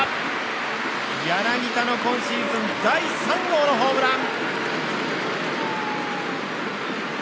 柳田の今シーズン第３号のホームラン。